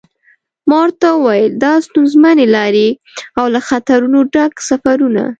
ما ورته و ویل دا ستونزمنې لارې او له خطرونو ډک سفرونه.